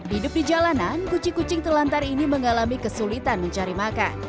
hidup di jalanan kucing kucing telantar ini mengalami kesulitan mencari makan